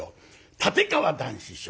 立川談志師匠。